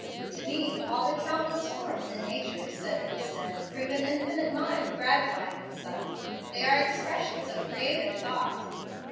"To me all the countless forms in nature," said Hemstead, "prove an infinite mind gratifying itself. They are expressions of creative thought."